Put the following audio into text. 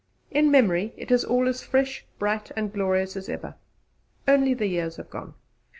In memory, it is all as fresh, bright and glorious as ever: only the years have gone.